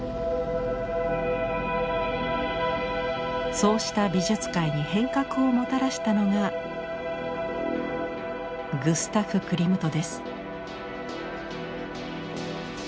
そうした美術界に変革をもたらしたのがグスタフ・クリムトです。